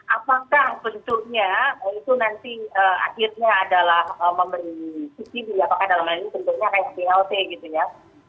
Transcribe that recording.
apakah bentuknya itu nanti akhirnya adalah memberi subsidi apakah dalam hal ini bentuknya kayak blt gitu ya